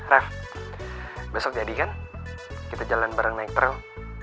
ref besok jadi kan kita jalan bareng naik terus